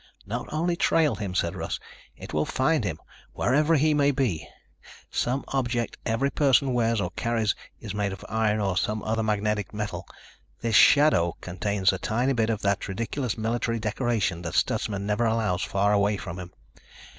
"Not only trail him," said Russ. "It will find him, wherever he may be. Some object every person wears or carries is made of iron or some other magnetic metal. This 'shadow' contains a tiny bit of that ridiculous military decoration that Stutsman never allows far away from him.